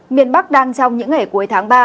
miền bắc đang trong những ngày cuối tháng ba